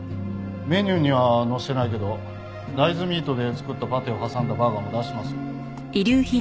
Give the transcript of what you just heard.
メニューには載せてないけど大豆ミートで作ったパテを挟んだバーガーも出してますよ。